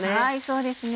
そうですね